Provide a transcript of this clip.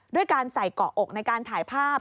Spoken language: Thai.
ด้วยการใส่เกาะอกในการถ่ายภาพ